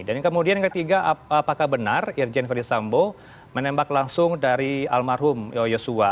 dan kemudian yang ketiga apakah benar irjen fadil sambo menembak langsung dari almarhum yoyosua